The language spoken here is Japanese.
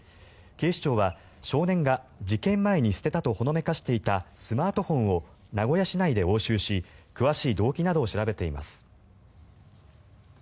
警視庁は少年が事件前に捨てたとほのめかしていたスマートフォンを名古屋市内で押収し詳しい動機などを調べています。